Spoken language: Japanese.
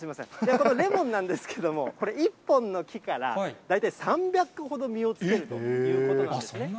このレモンなんですけども、これ、１本の木から大体３００個ほど実をつけるということなんですね。